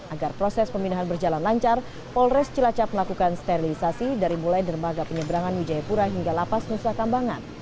agar proses pemindahan berjalan lancar polres cilacap melakukan sterilisasi dari mulai dermaga penyeberangan wijayapura hingga lapas nusa kambangan